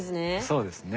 そうですね。